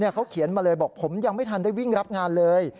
เขาเขียนมาเลยบอกผมยังไม่ทันได้วิ่งรับงานเลย